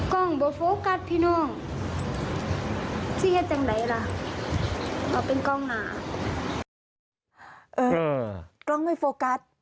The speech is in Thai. กล่องไหนไม่โฟกัสพี่น้องชิ้นจังเลยละเอาเป็นกล้องหนา